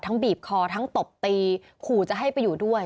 บีบคอทั้งตบตีขู่จะให้ไปอยู่ด้วย